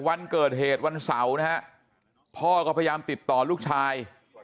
วันเกิดเหตุวันเสาร์นะฮะพ่อก็พยายามติดต่อลูกชาย